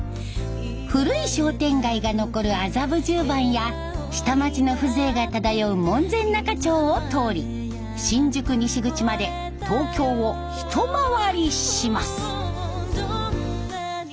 古い商店街が残る麻布十番や下町の風情が漂う門前仲町を通り新宿西口まで東京を一回りします。